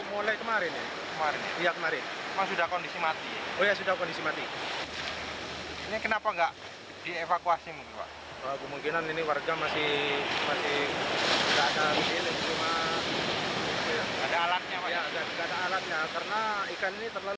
pemungkinan ini warga masih tidak ada alatnya karena ikan ini terlalu banyak